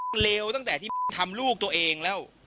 มันเลวตั้งแต่ที่ทำลูกตัวเองแล้ว